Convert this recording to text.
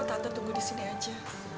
tante tunggu disini aja